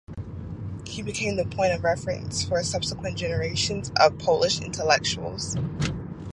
He became the point of reference for subsequent generations of Polish intellectuals.